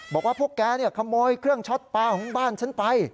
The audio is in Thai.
บอกว่าพวกแกขโมยเครื่องช็อตปลาของบ้านฉันไป